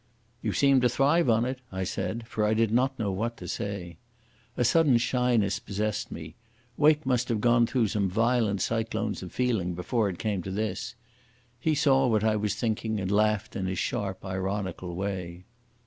"You seem to thrive on it," I said, for I did not know what to say. A sudden shyness possessed me. Wake must have gone through some violent cyclones of feeling before it came to this. He saw what I was thinking and laughed in his sharp, ironical way.